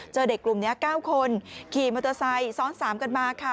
เจอเด็กกลุ่มนี้๙คนขี่มอเตอร์ไซค์ซ้อน๓กันมาค่ะ